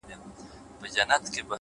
هره بریا د نظم نښه لري!